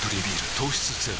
糖質ゼロ